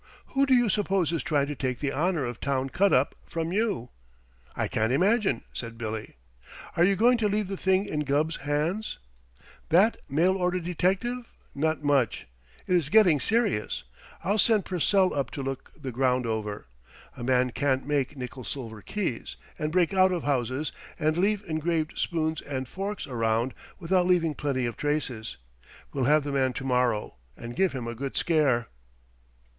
Who do you suppose is trying to take the honor of town cut up from you?" "I can't imagine," said Billy. "Are you going to leave the thing in Gubb's hands?" "That mail order detective? Not much! It is getting serious. I'll send Purcell up to look the ground over. A man can't make nickel silver keys, and break out of houses and leave engraved spoons and forks around without leaving plenty of traces. We'll have the man to morrow, and give him a good scare."